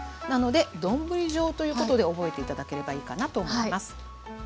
なので丼状ということで覚えて頂ければいいかなと思います。